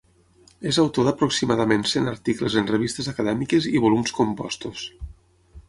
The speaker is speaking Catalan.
És autor d'aproximadament cent articles en revistes acadèmiques i volums compostos.